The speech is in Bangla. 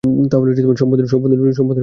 তাহলে, সব বন্ধুদের চির বিদায় দেওয়া লাগবে।